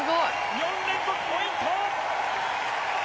４連続ポイント！